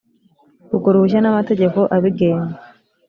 urwo ruhushya n amategeko abigenga